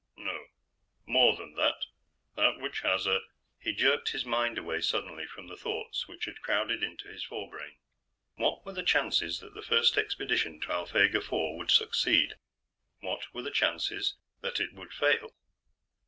_ No, more than that. That which has a He jerked his mind away suddenly from the thoughts which had crowded into his forebrain. What were the chances that the first expedition to Alphegar IV would succeed? What were the chances that it would fail?